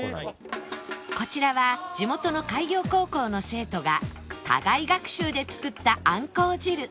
こちらは地元の海洋高校の生徒が課外学習で作ったあんこう汁